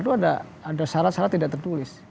itu ada syarat syarat tidak tertulis